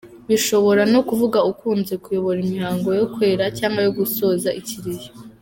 Bishobora no kuvuga ukunze kuyobora Imihango yo kwera cyangwa yo gusoza ikiriyo.